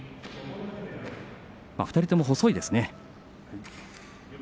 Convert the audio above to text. ２人とも細いですね。